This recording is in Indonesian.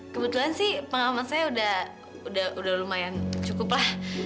kebetulan sih pengalaman saya udah lumayan cukup lah